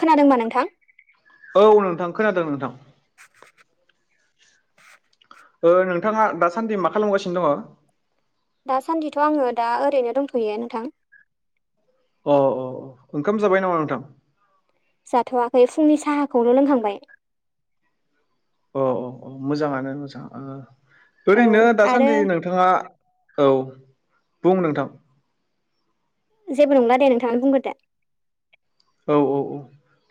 खोनादों बा नोंथां औ नोंथां खोनादों नोंथां [inaudible] नोंथाङा दासान्दि मा खालामगासिनो दङ? दासान्दिथ' आङो दा ओरैनो दंथ'यो नोंथां। अ अ ओंखाम जाबाय नामा नोंथां? जाथ'वाखै फुंनि साहाखौनो लोंखांबाय अ औ औ मोजाङानो मोजां औ ओरैनो आरो दासान्दि नोंथाङा औ बुं नोंथां जेबो नंला दे नोंथांयानो बुंग्रोदो। औ औ औ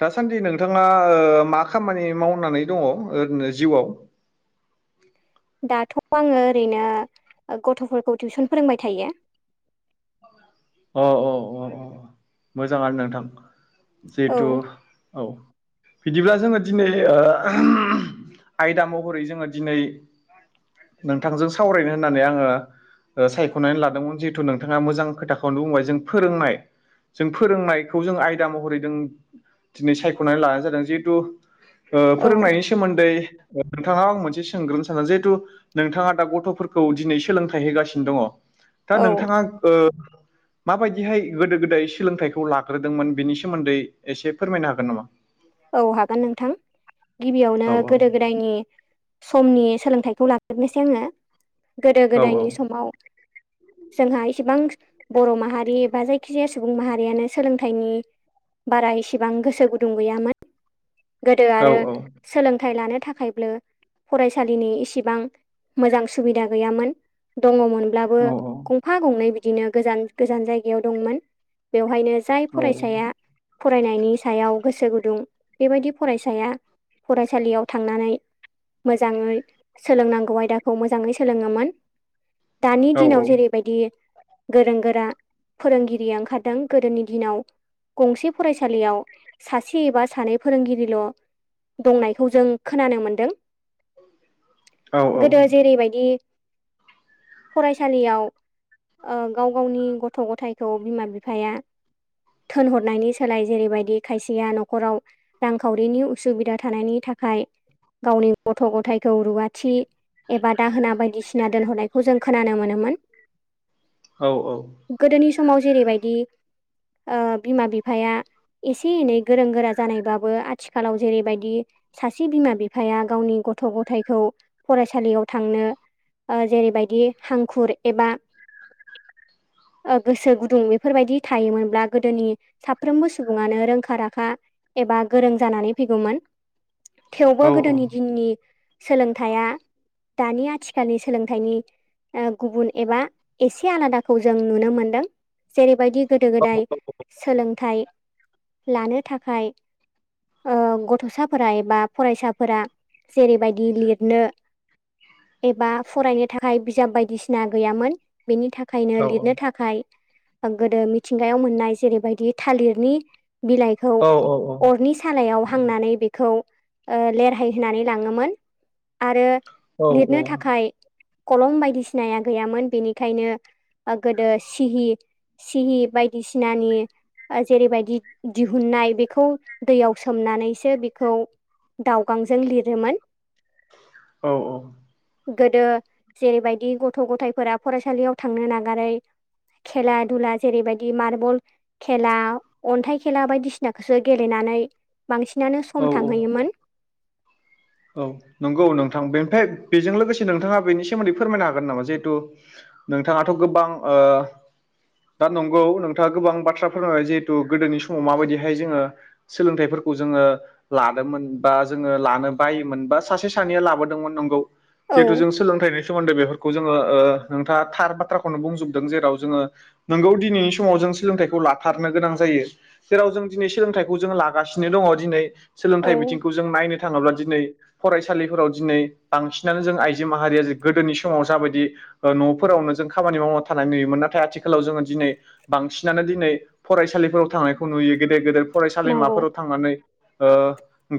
दासान्दि नोंथाङा मा खामानि मावनानै दङ ओरैनो जिउआव दाथ' आङो ओरैनो गथ'फोरखौ टिउसन फोरोंबाय थायो। अ औ अ अ मोजां आरो नोंथां औ जिहेथु औ। बिदिब्ला जोङो दिनै आयदा महरै जोङो दिनै नोंथांजों सावरायनो होननानै आङो सायख'नानै लादोंमोन जिहेथु नोंथाङा मोजां खोथाखौ नो बुंबाय जों फोरोंनाय जों फोरोंनायखौ जों आयदा महरै जों दिनै सायख'नानै लानाय जादों जिहेथु औ फोरोंनायनि सोमोन्दै नोंथांनाव आं मोनसे सोंग्रोनो सान जिहेतु नोंथाङा दा गथ'फोरखौ दिनै सोलोंथाइ होगासिनो दङ दा औ नोंथाङा माबायदिहाय गोदो गोदाय सोलोंथाइखौ लाग्रोदोंमोन बिनि सोमोन्दै एसे फोरमायनो हागोन नामा? औ हागोन नोंथां गिबियावनो औ गोदो गोदाय गोदायनि समनि सोलोंथाइखौ लाजोबनोसै आङो गोदो औ गोदायनि समाव जोंहा इसिबां बर' माहारि बा जायखिजाया सुबुं माहारियानो सोलोंथाइनि बारा इसिबां गोसो गुदुं गैयामोन। गोदो औ आरो सोलोंथाइ लानो थाखायबो फरायसालिनि इसिबां मोजां सुबिदा गैयामोन। दङमोन ब्लाबो औ गंफा गंनै बिदिनो गोजान गोजान जायगायाव दंमोन। बेवहायनो जाय औ फरायसाया फरायनायनि सायाव गोसो गुदुं बेबायदि फरायसाया फरायसालियाव थांनानै मोजाङै सोलोंनांगौ आयदाखौ मोजाङै सोलोङोमोन। दानि औ दिनाव जेरैबायदि गोरों गोरा फोरोंगिरिया ओंखारदों गोदोनि दिनाव गंसे फरायसालियाव सासे एबा सानै फोरोंगिरिल' दंनायखौ जों खोनानो मोन्दों। गोदो जेरैबायदि फरायसालियाव गाव गावनि गथ' गथायाइखौ बिमा बिफाया थिनहरनायनि सोलाय जेरैबायदि खायसेया न'खराव रांखावरिनि उसुबिदा थानायनि थाखाय गावनि गथ' गथायखौ रुवाथि एबा दाहोना बायदिसिना दोनहरनायखौ जों खोनानो मोनोमोन। औ औ गोदोनि समाव जेरैबायदि बिमा बिफाया एसे एनै गोरों गोरा जानायबाबो आथिखालाव जेरैबायदि सासे बिमा बिफाया गावनि गथ' गथायखौ फरायसालियाव थांनो जेरैबायदि हांखुर एबा गोसो गुदुं बेफोरबायदि थायोमोनब्ला गोदोनि साफ्रोमबो सुबुङानो रोंखा राखा एबा गोरों जानानै फैगौमोन औ थेवबो गोदोनि दिननि सोलोंथाइया दानि आथिखालनि सोलोंथाइनि ओ गुबुन एबा एसे आलादाखौ जों नुनो मोनदों। जेरैबायदि गोदो गोदाय सोलोंथाइ लानो थाखाय गथ'साफोरा एबा फरायसाफोरा जेरैबायदि लिरनो एबा फरायनो थाखाय बिजाब बायदिसिना गैयामोन। बेनि थाखायनो औ लिरनो थाखाय गोदो मिथिंगायाव मोननाय जेरैबायदि थालिरनि बिलाइखौ औ औ अरनि सालायाव हांनानै बेखौ लेरहाय होनोनानै लाङोमोन आरो औ लिरनो थाखाय कलम बायदिसिनाया गैयामोन बेनिखायनो गोदो सिहि सिहि बायदिसिनानि जेरैबायदि दिहुननाय बेखौ दैयाव सोमनानैसो बेखौ दावगांजों लिरोमोन औ औ गोदो जेरैबायदि गथ' गथायफोरा फरायसालियाव थांनो नागारै खेला दधुला जेरैबायदि मार्बल खेला अन्थाइ खेला बायदिसिनाखौसो गेले गेलेनानै बांसिनानो औ सम थांहैयोमोन औ नंगौ औ नोंथां बेनिफ्राय बेजों लोगोसे नोंथाङा बेनि सोमोन्दै फोरमायनो हागोन नामा जिहेतु नोंथाङाथ' गोबां दा नंगौ नोंथाङा गोबां बाथ्रा फोरमायबाय जिहेथु गोदोनि समाव माबायदिहाय जोङो सोलोंथाइफोरखौ जोङो लादोंमोन बा जोङो लानो बायोमोनबा सासे सानैया लाबोदोंमोन नंगौ औ जिहेथु जों सोलोंथाइनि सोमोन्दै बेफोरखौ जोङो नोंथाङा थार बाथ्राखौनो बुंजोबदों जेराव जोङो नोंगौ दिनैनि समाव जों सोलोंथाइखौ लाथारनो गोनां जायो जेराव जों दिनै सोलोंथाइखौ जों लागासिनो दङ दिनै सोलोंथाइ औ बिथिंखौ जों नायनो थाङोब्ला दिनै फरायसालिफोराव दिनै बांसिनानो जों आइजो माहारिया गोदोनि समाव जाबायदि न'फोरावनो जों खामानि मावना थानाय नुयोमोन नाथाय आथिखालाव जोङो दिनै बांसिनानो दिनै फरायसालिफोराव थांनायखौ नुयो गेदेर गेदेर नंगौ फरायसालिमाफोराव थांनानै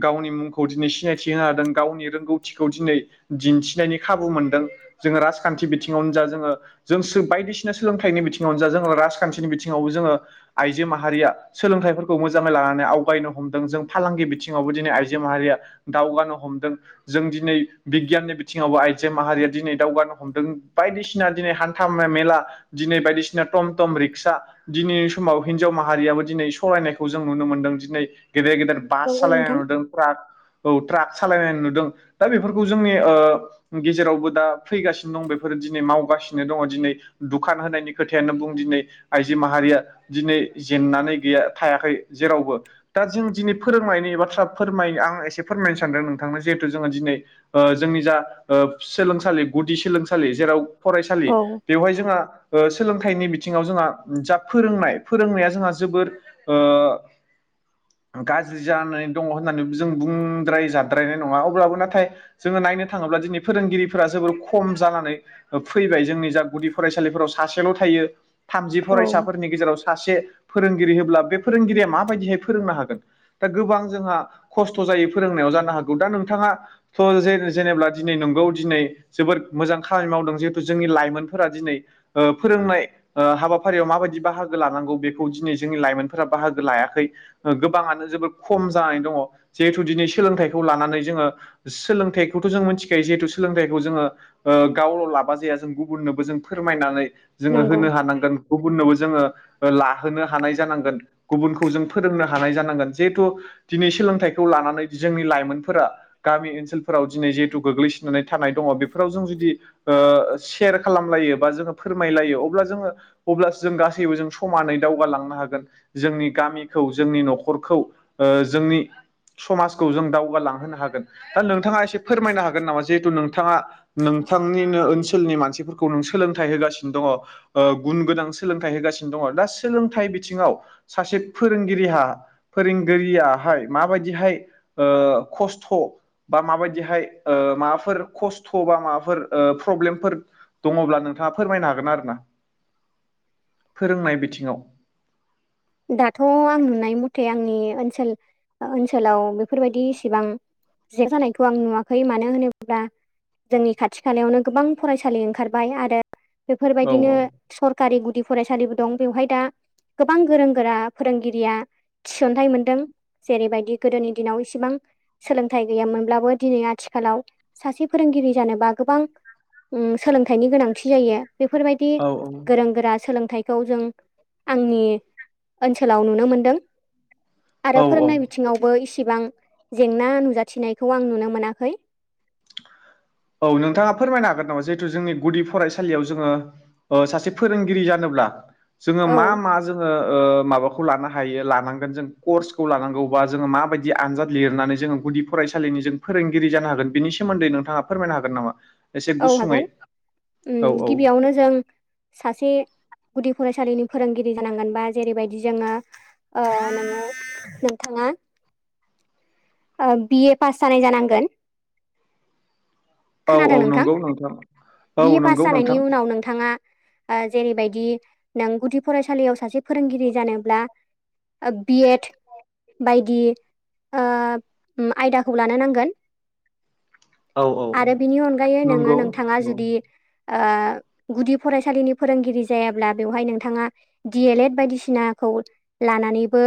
गावनि मुंखौ दिनै सिनाय होनो हादों गावनि रोंगौथिखौ दिनै दिन्थिनायनि खाबु मोनदों जोङो राजखान्थि बिथिङावनो जा जोङो जों बायदिसिना सोलोंथाइनि बिथिङावनो जा जोंङ राजखान्थिनि बिथिङावबो जोङो आइजो माहारिया सोलोंथाइफोरखौ मोजाङै लानानै आवगायनो हमदों जों फालांगि बिथिङावबो दिनै आइजो माहारिया दावगानो हमदों जों दिनै बिगियाननि बिथिङावबो आइजो माहारिया दिनै दावगानो हमदों बायदिसिना दिनै हान थामना मेला दिनै बायदिसिना टम टम रिक्सा दिनैनि समाव हिनजाव माहारियाबो दिनै सरायनायखौ जों नुनो मोनदों दिनै गेदेर गेदेर बास नंगौ सालायनाय नोंथां नुदों ट्राक औ ट्राक सालायनाय नुदों दा बेफोरखौ जोंनि गेजेरावबो दा फैगासिनो दं बेफोरो दिनै मावगासिनो दङ दिनै दुखान होनायनि खोथायानो बुं दिनै आइजो माहारिया दिनै जेननानै गैया थायाखै जेरावबो दा जों दिनै फोरोंनायनि बाथ्रा फोरमाय आं एसे फोरमायनो सानदों नोंथांनो जिहेथु जोङो दिनै जोंनि जा सोलोंसालि गुदि सोलोंसालि जेराव फरायसालि औ बेवहाय जोंहा सोलोंथाइनि बिथिङाव जोंहा जा फोरोंनाय फोरोंनाया जोंहा जबोद ओ गाज्रि जानानै दङ होननानै जों बुं द्राय जाद्रायनाय नङा अब्लाबो नाथाय जोङो नायनो थाङोब्ला दिनै फोरोंगिरिफोरा जोबोर खम जानानै फैबाय जोंनि जा गुदि फरायसालिफोराव सासेल' थायो थामजि औ फरायसाफोरनि गेजेरावसो सासे फोरोंगिरि होब्ला बे फोरोंगिरिया माबायदिहाय फोरोंनो हागोन दा गोबां जोंहा खस्थ' जायो फोरोंनायाव जानो हागौ दा नोंथाङा थ' ज जेनेबा दिनै नंगौ दिनै जोबोर मोजां खामानि मावदों जिहेथु जोंनि लाइमोनफोरा दिनै फोरोंनाय हाबाफारियाव माबायदि बाहागो लानांगौ बेखौ दिनै जोंनि लाइमोनफोरा बाहागो लायाखै गोबाङानो जोबोर खम जानानै दङ। जिहेथु दिनै सोलोंथाइखौ लानानै जोङो सोलोंथाइखौथ' जों मिथिखायो जिहेथु सोलोंथाइखौ जोङो गावल' लाबा जाया जों गुबुननोबो जों फोरमायनानै जोङो नंगौ होनो हानांगोन गुबुननोबो जोङो लाहोनो हानाय जानांगोन गुबुनखौ जों फोरोंनो हानाय जानांगोन जिहेथु दिनै सोलोंथाइ खौ लानानै जोंनि लाइमोनफोरा गामि ओनसोलफोराव दिनै जिहेथु गोग्लैसोनानै थानाय दङ बेफोराव जों जुदि सेयार खालामलायो बा जोङो फोरमायलायो अब्ला जोङो अब्लासो जों गासैबो जों समानै दावगालांनो हागोन। जोंनि गामिखौ जोंनि न'खरखौ जोंनि समाजखौ जों दावगालांहोनो हागोन दा नोंथाङा एसे फोरमायनो हागोन नामा जिहेथु नोंथाङा नोंथांनिनो ओनसोलनि मानसिफोरखौ नों सोलोंथाइ होगासिनो दङ। गुन गोनां सोलोंथाइ होगासिनो दङ दा सोलोंथाइ बिथिङाव सासे फोरोंगिरिहा फोरोंगिरियाहाय माबायदि बिदिहाय खस्थ' बा माबायदिहाय माबाफोर खस्थ' बा माबाफोर प्रब्लेमफोर दङब्ला नोंथाङा फोरमायनो हागोन आरोना फोरोंनाय बिथिङाव दाथ' आं नुनाय मथे आंनि ओनसोल ओनसोलाव बेफोरबायदि इसेबां जेक जानायखौ आं नुवाखै मानो होनोब्ला जोंनि खाथि खालायावनो गोबां फरायसालि ओंखारबाय आरो औ बेफोरबायदिनो सरकारि गुदि फरायसालिबो दं बेवहाय दा गोबां गोरों गोरा फोरोंगिरिया थिसनथायाइ मोनदों जेरैबायदि गोदोनि दिनाव इसिबां सोलोंथाइ गैयामोनब्लाबो दिनै आथिखालाव सासे फोरोंगिरि जानोबा गोबां सोलोंथाइनि गोनांथि जायो बेफोरबायदि औ औ बि गोरों गोरा सोलोंथाइखौ जों आंनि ओनसोलाव नुनो मोनदों औ आरो औ फोरोंनाय बिथिङावबो इसिबां जेंना नुजाथिनायखौ आं नुनो मोनाखै। औ नोंथाङा फोरमायनो हागोन नामा जिहेतु जोंनि गुदि फरायसालियाव जोङो सासे फोरोंगिरि जानोब्ला जोङो औ मा मा जोङो माबाखौ खौ लानो हायो लानांगोन जों कर्सखौ लानांगौबा जोङो माबायदि आनजाद लिरनानै जोङो गुदि फरायसालिनि जों फोरोंगिरि जानो हागोन बिनि सोमोन्दै नोंथाङा फोरमायनो हागोन नामा? एसे औ गुसुङै हागोन औ औ गिबियावनो जों सासे गुदि फरायसालिनि फोरोंगिरि जानांगोन बा जेरैबायदि जोङो औ नोंङो नोंथाङा बि ए पास जानाय जानांगोन। औ औ खोनादों नोंथां नंगौ औ बिए नंगौ पास नोंथां जानायनि उनाव नोंथाङा ओ जेरैबायदि नों गुदि फरायसालियाव सासे फोरोंगिरि जानोब्ला बि एड बायदि आयदाखौ लानो नांगोन औ औ आरो बिनि अनगायै नोङो नंगौ नोंथाङा औ जुदि गुदि फरायसालिनि फोरोंगिरि जायाब्ला बेवहाय नोंथाङा दि एल एड बायदिसिनाखौ लानानैबो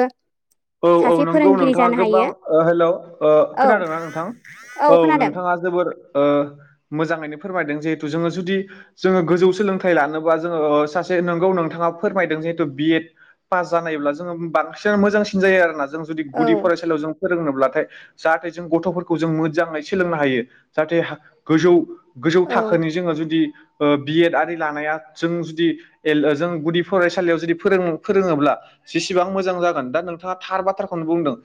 औ औ सासे नंगौ फोरोंगिरि नोंथाङा जानो हायो गोबां हेल' औ खोनादोंना नोंथां औ नोंथाङा जोबोर मोजाङैनो फोरमायदों जिहेथु जोङो जुदि जोङो गोजौ सोलोंथाइ लानोबा जोङो सासे नोंगौ नोंथाङा फोरमायदों जिहेथु बिएड पास जानायब्ला जोङो बांसिन मोजांसिन जायो आरोना जों जुदि औ गुदि फरायसालियाव जों फोरोंनोब्लाथाय जाहाथे जों गथ'फोरखौ जों मोजाङै सोलोंनो हायो जाहाथे गोजौ गोजौ औ थाखोनि जोङो जुदि बिएड आरि लानाया जों जुदि एल जों गुदि फरायसालियाव जुदि फोरों-फोरोङोब्ला जेसेबां मोजां जागोन दा नों थार बाथ्राखौनो बुंदों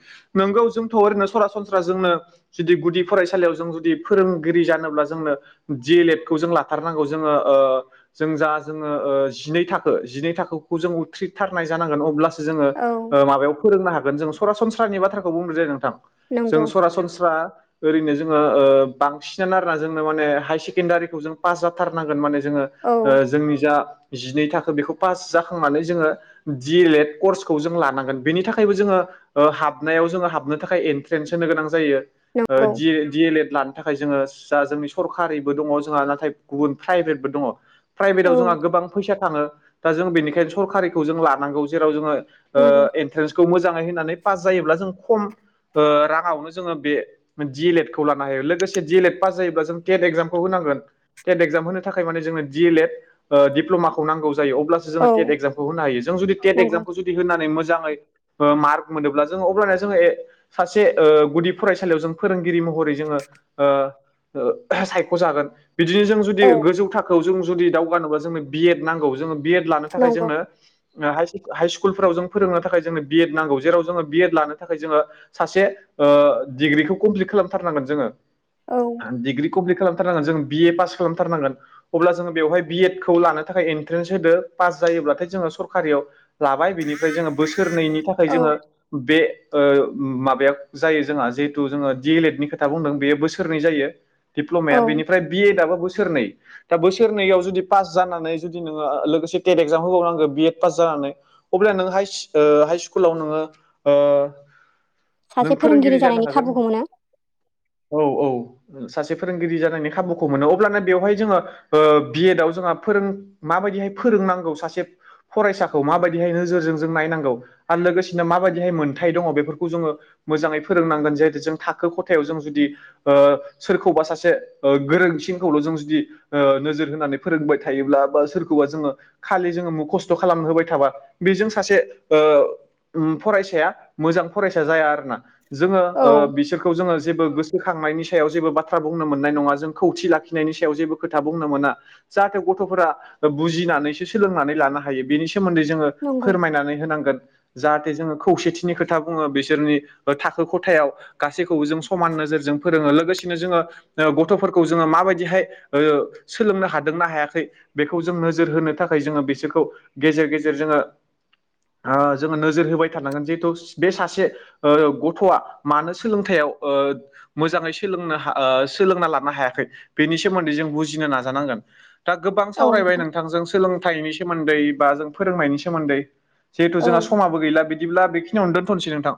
नोंगौ जोंथ' ओरैनो सरासनस्रा जोंनो जुदि गुदि फरायसालियाव जों जुदि फोरोंगिरि जानोब्ला जोंनो दि एल एड खौ जों लाथारनांगौ जोङो जों जा जोङो जिनै थाखो जिनै थाखोखौ जों उथ्रिथारनाय जानांगोन अब्लासो जोङो औ माबायाव फोरोंनो हागोन जों सरासनस्रानि बाथ्राखौ बुंदोदै नोंथां जों नंगौ सरासनस्रा ओरैनो जोङो बांसिनानो आरोना जोंनो माने हाय सेकेण्डारिखौ जों पास जाथारनांगोन माने जोङो औ जोंनि जा जिनै थाखो बेखौ पास जाखांनानै जोङो दि एल एड कर्सखौ जों लानांगोन बेनि थाखाय थाखायबो जोङो हाबनायाव जोङो हाबनो थाखाय एन्ट्रेन्स होनो गोनां जायो। नंगौ दि एल एड थाखाय जोङो जा जोंनि सरकारिबो दङ जोंहा नाथाय गुबुन प्राइभेटबो दङ। औ प्राइभेटआव जोंहा गोबां फैसा थाङो दा जों बेनिखायनो सरकारिखौ जों लानांगौ जेराव जोङो नंगौ एन्ट्रेन्सखौ मोजाङै होननानै पास जायोब्ला जों खम राङावनो जोङो बे दि एल एड खौ लानो हायो लोगोसे दि एल एड पास जायोब्ला जों टेट एक्जामखौ होनांगोन टेनट एक्जाम होनो थाखाय माने जोंङनो डि एल एड डिप्ल'माखौ नांगौ जायो अब्ला सो औ टेट एक्जामखौ होनो हायो जों जुदि तेट नंगौ एक्जामखौ जुदि होनानै मोजाङै मार्क मोनोब्ला जोङो अब्लानो जोङो ए सासे गुदि फरायसालियाव जों फोरोंगिरि महरै जोङो सायख'जागोन बिदिनो जों जुदि औ गोजौ थाखोआव जों जुदि दावगानोबा जोंनो बिएड नांगौ जोङो बि एड लानो थाखाय नंगौ जोंनो हाइ स्कुलफोराव जों फोरोंनो थाखाय जोंनो बिएड नांगौ जेराव जोङो बिएड लानो थाखाय जोङो सासे डिग्रिखौ कमप्लिट खालामथारनांगोन जोङो औ डिग्रि कमप्लिट खालामथारनांगोन जों बिए पास खालामथारनांगोन। अब्ला जोङो बेवहाय बि एद खौ लानो थाखाय एन्ट्रेन्स होदो पास जायोब्लाथाय जोङो सरकारियाव लाबाय बिनिफ्राय जोङो बोसोरनैनि थाखाय औ जोङो बे माबायाव जायो जोंहा जिहेतु जोङो डि एल एड नि खोथा बुंदों बेयो बोसोरनै जायो। दिप्ल'माया औ बेनिफ्राय बिएडाबो बोसोरनै दा बोसोरनैयाव जुदि पास जानानै जुदि नोङो लोगोसे टेट एक्जाम होबावनांगो बि एड पास जानानै अब्ला नों हाइस-हाइ स्कुलाव नोङो नों सासे फोरोंगिरि जानो जानायनि हागोन खाबुखौ मोनो। औ औ सासे फोरोंगिरि जानायनि खाबुखौ मोनो अब्लानो बेवहाय जोङो बिएदाव जोंहा फोरों माबायदिहाय फोरोंनांगौ सासे फरायसाखौ माबायदिहाय नोजोरजों जों नायनांगौ आरो लोगोसेनो माबायदिहाय मोनथाय दङ बेफोरखौ जोङो मोजाङै फोरोंनांगोन जिहेतु जों थाखो खथायाव जों जुदि सोरखौबा सासे गोरोंसिनखौल' जों जुदि नोजोर होनानै फोरोंबाय थायोब्ला बा सोरखौबा जोङो खालि जोङो मखस्थ' खालामनो होबाय थाबा बेजों सासे फरायसाया मोजां फरायसा जाया आरोना जोङो औ बिसोरखौ जोङो जेबो गोसो बोखांनायनि सायाव जेबो बाथ्रा बुंनो मोननाय नङा जों खौथि लाखिनायनि सायाव जेबो खोथा बुंनो मोना। जाहाथे गथ'फोरा बुजिनानैसो सोलोंनानै लानो हायो बेनि सो सोमोन्दै जोङो नंगौ फोरमायनानै होनांगोन। जाहाथे जोङो खौसेथिनि खोथा बुङो बिसोरनि थाखो खथायाव गासैखौबो जों समान नोजोरजों फोरोङो लोगोसेनो जोङो ओ गथ'फोरखौ जोङो माबायदिहाय सोलोंनो हादोंनाा हायाखै बेखौ जों नोजोर होनो थाखाय जोङो बिसोरखौ गेजेर गेजेर जोङो ओ जोङो नोजोर होबाय थारनांगोन जिहेथु बे सासे ओ गथ'आ मानो सोलोंथाइयाव ओ मोजाङै सोलोंनो हा सोलोंना लानो हायाखै बेनि सोमोन्दै जों बुजिनो नाजानांगोन। दा गोबां औ सावरायबाय नोंथां नोंथांजों सोलोंथाइनि सोमोन्दै बा जों फोरोंनायनि सोमोन्दै जिहेथु औ जोंहा समाबो गैला बिदिब्ला बेखिनिनो दोनथ'सै नोंथां।